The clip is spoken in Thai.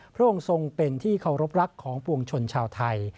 พระองค์ทรงเป็นที่เคารพรักของปวงชนชาวไทย